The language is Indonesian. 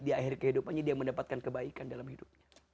di akhir kehidupannya dia mendapatkan kebaikan dalam hidupnya